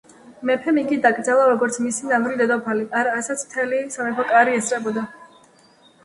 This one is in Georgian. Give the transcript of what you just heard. მეფემ იგი დაკრძალა როგორც მისი ნამდვილი დედოფალი, რასაც მთელი სამეფო კარი ესწრებოდა.